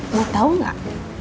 mau tau gak